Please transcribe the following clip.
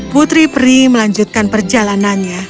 putri pri melanjutkan perjalanannya